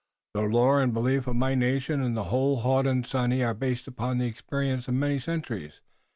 The lore and belief of my nation and of the whole Hodenosaunee are based upon the experience of many centuries.